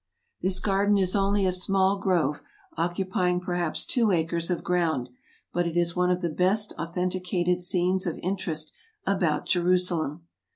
This garden is only a small grove, occupying perhaps two acres of ground, but it is one of the best authenticated scenes of interest about Jerusalem.